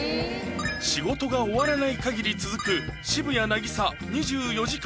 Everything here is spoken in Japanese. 仕事が終わらない限り続く渋谷凪咲２４時間